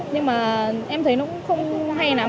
nhưng mà em thấy nó cũng không hay lắm